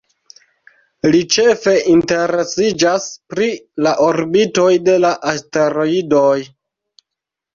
Li ĉefe interesiĝas pri la orbitoj de la asteroidoj.